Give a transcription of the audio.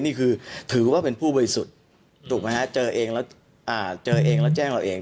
นี่คือถือว่าเป็นผู้บริสุทธิ์ถูกไหมฮะเจอเองแล้วเจอเองแล้วแจ้งเราเอง